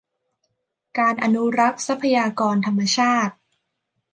การอนุรักษ์ทรัพยากรธรรมชาติ